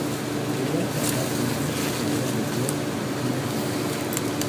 William Servat finit donc sa carrière de joueur sur une finale remportée.